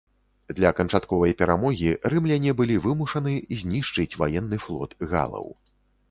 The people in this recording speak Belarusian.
Для канчатковай перамогі рымляне былі вымушаны знішчыць ваенны флот галаў.